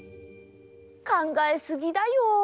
かんがえすぎだよ。